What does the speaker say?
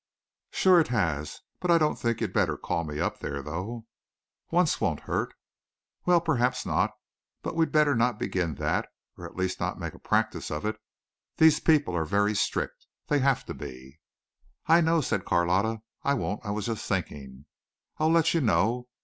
"Sure it has. I don't think you'd better call me up there though." "Once wouldn't hurt." "Well, perhaps not. But we'd better not begin that, or at least not make a practice of it. These people are very strict. They have to be." "I know," said Carlotta. "I won't. I was just thinking. I'll let you know.